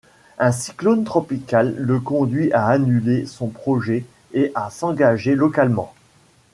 Un cyclone tropical le conduit à annuler son projet et à s'engager localement.